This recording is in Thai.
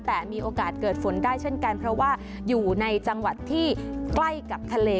แต่มีโอกาสเกิดฝนได้เช่นกันเพราะว่าอยู่ในจังหวัดที่ใกล้กับทะเล